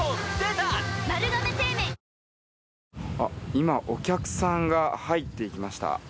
今、お客さんが入っていきました。